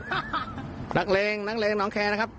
ดูนะครับนักเลงนักเลงน้องแคร์นะครับ